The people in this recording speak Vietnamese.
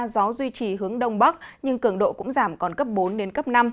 gió duy trì hướng đông bắc nhưng cường độ cũng giảm còn cấp bốn đến cấp năm